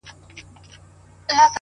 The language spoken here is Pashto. • د ځنګله شهنشاه پروت وو لکه مړی ,